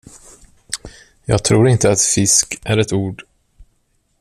Jag tror inte att fisk är ett ord.